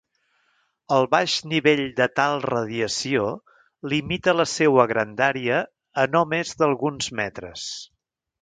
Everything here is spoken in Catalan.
El baix nivell de tal radiació limita la seua grandària a no més d'alguns metres.